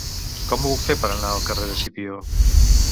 Com ho puc fer per anar al carrer d'Escipió?